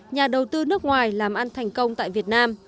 nhà đầu tư nước ngoài làm ăn thành công tại việt nam